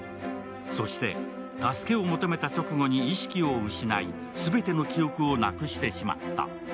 そして助けを求めた直後に意識を失い、全ての記憶をなくしてしまった。